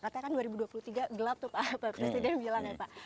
katanya kan dua ribu dua puluh tiga gelap tuh pak presiden bilang ya pak